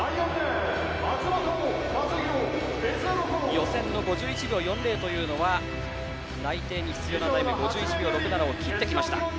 予選の５１秒４０というのは内定に必要なタイム５１秒６７を切ってきました。